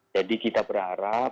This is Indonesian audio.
jadi kita berharap